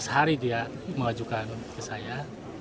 lima belas hari dia mengajukan ke saya